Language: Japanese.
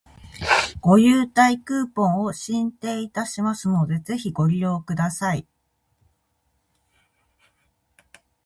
ご優待クーポンを進呈いたしますので、ぜひご利用ください